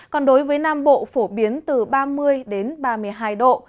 còn đối với nam bộ phổ biến từ ba mươi đến ba mươi hai độ